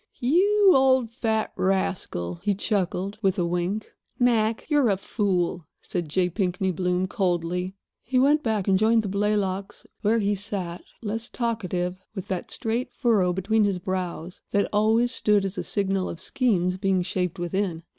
"You old fat rascal!" he chuckled, with a wink. "Mac, you're a fool," said J. Pinkney Bloom, coldly. He went back and joined the Blaylocks, where he sat, less talkative, with that straight furrow between his brows that always stood as a signal of schemes being shaped within.